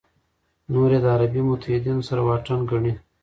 نور یې د عربي متحدینو سره واټن ګڼي.